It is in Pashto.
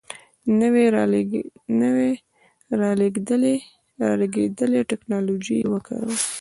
نوې رالېږدېدلې ټکنالوژي یې وکاروله.